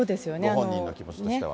ご本人の気持ちとしては。